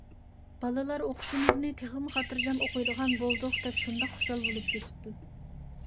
بالىلار: «ئوقۇشىمىزنى تېخىمۇ خاتىرجەم ئوقۇيدىغان بولدۇق» دەپ شۇنداق خۇشال بولۇپ كېتىپتۇ.